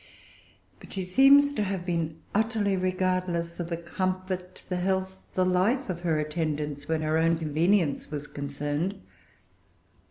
But she seems to have been utterly regardless of the comfort, the health, the life of her attendants, when her own convenience was concerned.